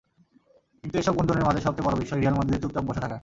কিন্তু এসব গুঞ্জনের মাঝে সবচেয়ে বড় বিস্ময় রিয়াল মাদ্রিদের চুপচাপ বসে থাকা।